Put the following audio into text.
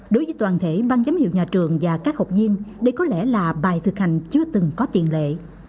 đối với toàn thể ban giám hiệu nhà trường và các học nhiên đây có lẽ là bài thực hành chưa từng có tiền lệ